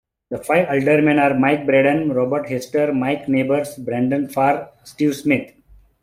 The five aldermen are Mike Braden, Robert Hester, Mike Neighbors, Brandon Pharr, Steve Smith.